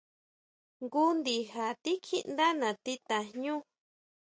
Jngu ndija tikjíʼndá natí tajñú.